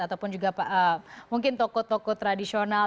atau mungkin juga toko toko tradisional